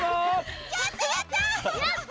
やったやった！